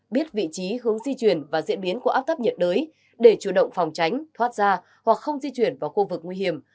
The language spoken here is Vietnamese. biết vị trí hướng di chuyển và diễn biến của áp thấp nhiệt đới để chủ động phòng tránh thoát ra hoặc không di chuyển vào khu vực nguy hiểm